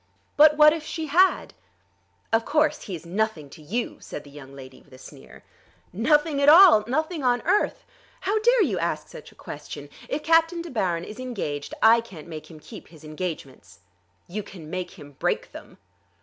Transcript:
"But what if she had?" "Of course he is nothing to you," said the young lady with a sneer. "Nothing at all; nothing on earth. How dare you ask such a question? If Captain De Baron is engaged, I can't make him keep his engagements." "You can make him break them."